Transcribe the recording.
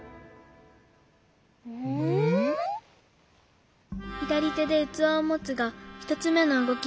「ひだりてでうつわをもつ」がひとつめのうごき。